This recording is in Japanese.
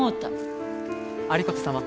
有功様。